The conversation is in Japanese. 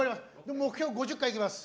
目標５０回いきます。